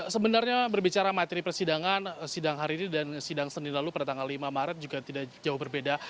sebenarnya berbicara materi persidangan sidang hari ini dan sidang senin lalu pada tanggal lima maret juga tidak jauh berbeda